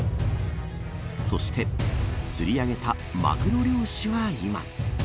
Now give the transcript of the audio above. そして、釣り上げたマグロ漁師は今。